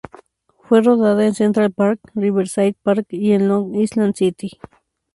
Fue rodada en Central Park, Riverside Park, y en Long Island City.